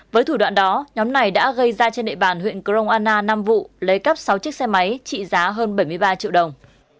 với thủ đoạn đó nhóm này đã gây ra trên địa bàn huyện crong anna năm vụ lấy cắp sáu chiếc xe máy trị giá hơn bảy mươi ba triệu đồng